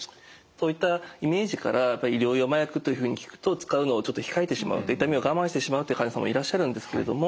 そういったイメージから医療用麻薬というふうに聞くと使うのをちょっと控えてしまう痛みを我慢してしまうって患者さんもいらっしゃるんですけれども